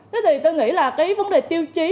thế thì tôi nghĩ là cái vấn đề tiêu chí